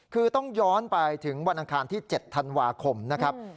คือต้องย้อนไปถึงวันอังคารที่๗ธันวาคมนะครับ